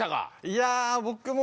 いや僕も。